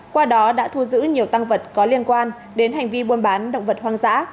qua đó đã thu giữ nhiều tăng vật có liên quan đến hành vi buôn bán động vật hoang dã